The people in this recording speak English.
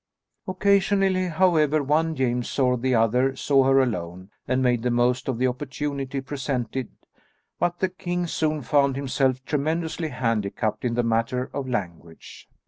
Occasionally, however, one James or the other saw her alone and made the most of the opportunity presented, but the king soon found himself tremendously handicapped in the matter of language.